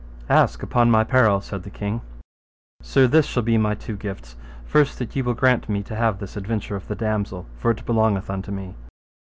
Ask, upon my peril, said the king. Sir, this shall be my two gifts, first that ye will grant me to have this adventure of the damosel, for it belongeth unto me.